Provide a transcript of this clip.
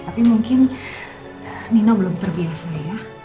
tapi mungkin nina belum terbiasa ya